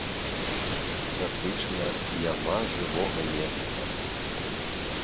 Практычна няма жывога месца.